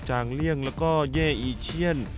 จางเลี่ยงแล้วก็เย่อีเชียน